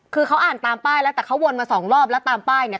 คือเขาอ่านตามป้ายแล้วแต่เขาวนมาสองรอบแล้วตามป้ายเนี่ย